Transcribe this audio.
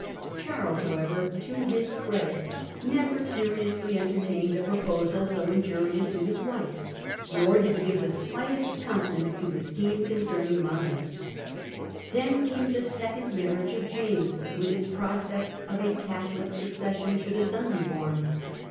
Charles however, to his credit, never seriously entertained a proposal so injurious to his wife, i 674 Suggested Marriage of William, 233 nor did he give the slightest countenance to the scheme concerning Monmouth. Then came the second marriage of James, with its pi Aspects of a Catholic succession should a son be born.